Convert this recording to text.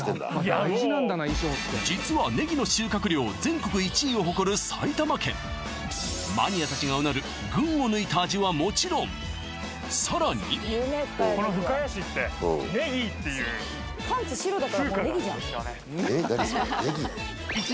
実はねぎの収穫量全国１位を誇る埼玉県マニアたちが唸る群を抜いた味はもちろんさらにこの深谷市って何それネギー？